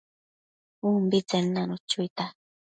ubitsen nanu chuita